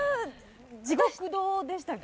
地獄堂でしたっけ？